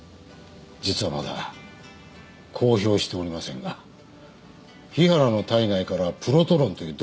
実はまだ公表しておりませんが日原の体内からプロトロンという毒物が検出されております。